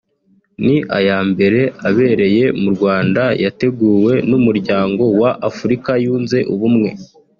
ni aya mbere abereye mu Rwanda yateguwe n’umuryango wa Afurika Yunze Ubumwe